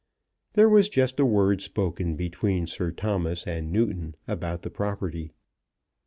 There was just a word spoken between Sir Thomas and Newton about the property.